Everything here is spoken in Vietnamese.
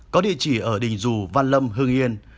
có địa chỉ ở đình dù văn lâm hưng yên